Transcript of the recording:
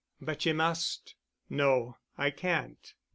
"But you must." "No. I can't."